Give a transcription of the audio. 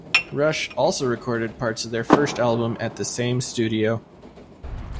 Rush also recorded parts of their first album at the same studio.